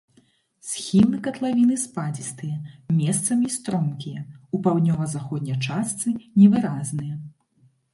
Схілы катлавіны спадзістыя, месцамі стромкія, у паўднёва-заходняй частцы невыразныя.